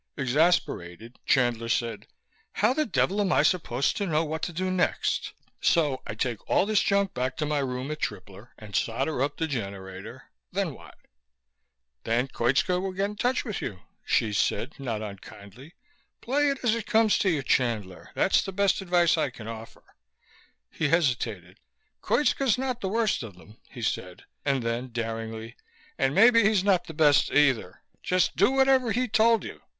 Exasperated, Chandler said, "How the devil am I supposed to know what to do next? So I take all this junk back to my room at Tripler and solder up the generator then what?" "Then Koitska will get in touch with you," Hsi said, not unkindly. "Play it as it comes to you, Chandler, that's the best advice I can offer." He hesitated. "Koitska's not the worst of them," he said; and then, daringly, "and maybe he's not the best, either. Just do whatever he told you.